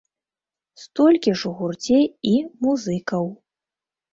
Столькі ж у гурце і музыкаў.